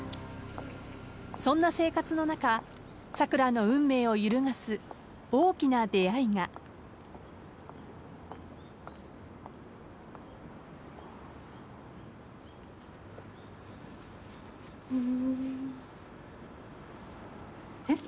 そんな生活の中さくらの運命を揺るがす大きな出会いが。え？